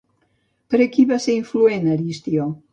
Per a qui va ser influent, Aristió?